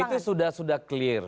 itu sudah sudah clear